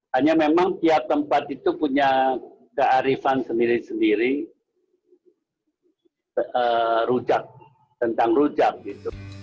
hanya memang tiap tempat itu punya kearifan sendiri sendiri rujak tentang rujak gitu